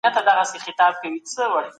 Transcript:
فردي څېړنه د ټولني لپاره ګټه لري.